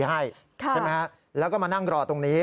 ใช่ไหมฮะแล้วก็มานั่งรอตรงนี้